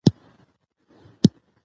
پلویان هغه یوازینی اپوزېسیون بولي.